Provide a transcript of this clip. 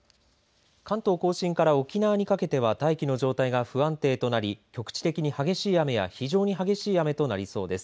関東甲信から沖縄にかけては大気の状態が不安定となり局地的に激しい雨や非常に激しい雨となりそうです。